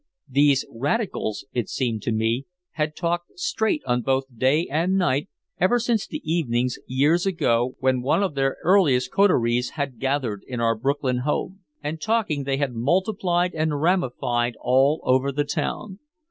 These "radicals," it seemed to me, had talked straight on both day and night ever since the evenings years ago when one of their earliest coteries had gathered in our Brooklyn home. And talking they had multiplied and ramified all over the town.